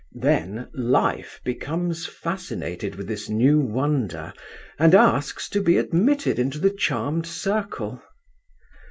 Then Life becomes fascinated with this new wonder, and asks to be admitted into the charmed circle.